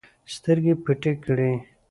سترګې پټې کړې